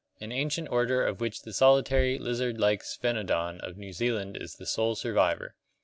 An ancient order of which the solitary, lizard like Sphenodon of New Zealand is the sole survivor.